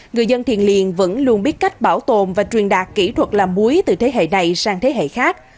người dân thiền liền vẫn luôn biết cách bảo tồn và truyền đạt kỹ thuật làm muối từ thế hệ này sang thế hệ khác